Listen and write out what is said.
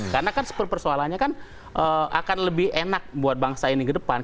karena kan persoalannya akan lebih enak buat bangsa ini ke depan